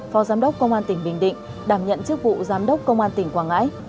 phó giám đốc công an tỉnh bình định đảm nhận chức vụ giám đốc công an tỉnh quảng ngãi